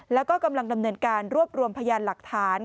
แล้วก็กำลังดำเนินการรวบรวมพยานหลักฐาน